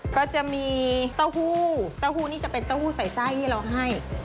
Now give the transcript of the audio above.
ก็จะมีเต้าหู้เต้าหู้นี่จะเป็นเต้าหู้ใส่ไส้ที่เราให้